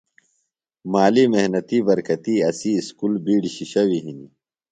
مالی محنتی برکتی اسی اُسکُل بِیڈیۡ شِشیویۡ ہِنیۡ۔